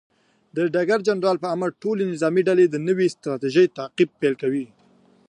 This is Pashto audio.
د ډګر جنرال پر امر، ټولې نظامي ډلې د نوې ستراتیژۍ تعقیب پیل کوي.